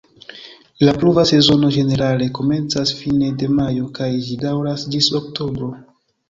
La pluva sezono ĝenerale komencas fine de majo kaj ĝi daŭras ĝis oktobro.